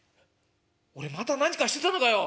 「俺また何かしてたのかよ。